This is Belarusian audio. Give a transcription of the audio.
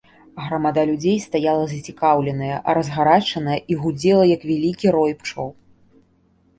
Грамада людзей стаяла зацікаўленая, разгарачаная і гудзела, як вялікі рой пчол.